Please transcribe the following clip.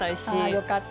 あよかった。